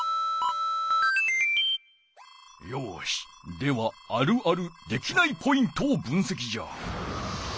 ではあるあるできないポイントを分せきじゃ。